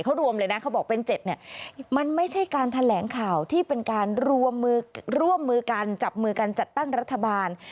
เขารวมเลยนะเขาบอกเป็น๗เนี่ยมันไม่ใช่การแถลงข่าวที่เป็นการร่วมมือร่วมมือกันจับมือกันจัดตั้งรัฐบาล